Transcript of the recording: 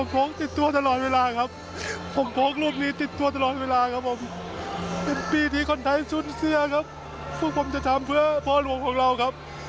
พวกผมจะทำเพื่อพ่อหลวงของเราครับ